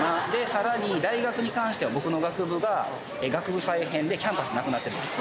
さらに大学に関しては僕の学部が学部再編でキャンパスなくなってるんです。